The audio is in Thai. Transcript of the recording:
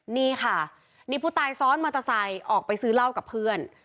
นี่ค่ะนี่ผู้ตายซ้อนมอเตอร์ไซค์ออกไปซื้อเหล้ากับเพื่อน